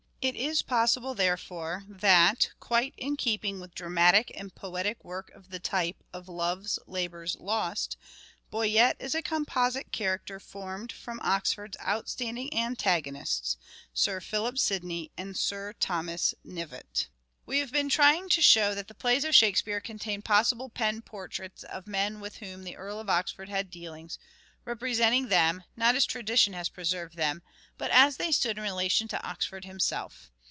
It is possible, therefore, that, quite in keeping with dramatic and poetic work of the type of " Love's Labour's Lost," Boyet is a composite character formed from Oxford's outstanding antagonists, Sir Philip Sidney and Sir Thomas Knyvet. MANHOOD OF DE VERE : MIDDLE PERIOD 301 We have been trying to show that the plays of Shakespeare contain possible pen portraits of men with whom the Earl of Oxford had dealings, repre senting them, not as tradition has preserved them, but as they stood in relation to Oxford himself.